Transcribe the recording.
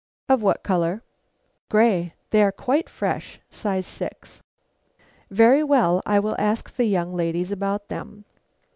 "Of what color?" "Grey; they are quite fresh, size six." "Very well; I will ask the young ladies about them."